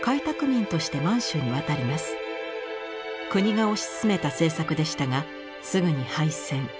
国が推し進めた政策でしたがすぐに敗戦。